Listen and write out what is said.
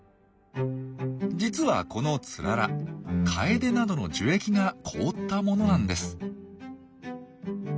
実はこのツララカエデなどの樹液が凍ったものなんです。